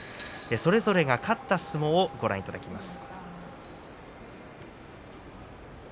それぞれが勝った相撲をご覧いただきます。